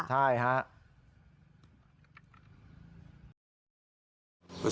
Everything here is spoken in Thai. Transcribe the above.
ใช่ค่ะ